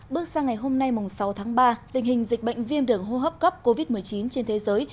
bước sang ngày hôm nay sáu tháng ba tình hình dịch bệnh viêm đường hô hấp cấp covid một mươi chín trên thế giới